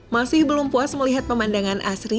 masih belum puas melihat pemandangan asri